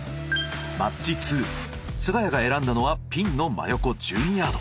マッチ２菅谷が選んだのはピンの真横１２ヤード。